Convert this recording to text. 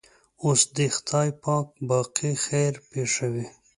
اوس دې خدای پاک باقي خیر پېښوي.